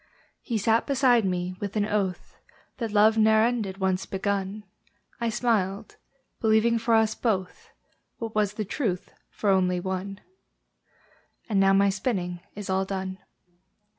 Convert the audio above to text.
He sat beside me, with an oath That love ne'er ended, once begun; I smiled, believing for us both, What was the truth for only one: And now my spinning is all done.